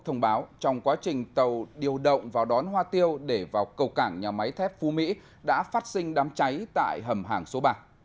thông báo trong quá trình tàu điều động vào đón hoa tiêu để vào cầu cảng nhà máy thép phú mỹ đã phát sinh đám cháy tại hầm hàng số ba